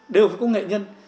đều phải có nghệ nhân